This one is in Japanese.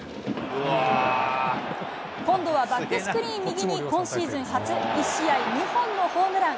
今度はバックスクリーン右に今シーズン初１試合２本のホームラン。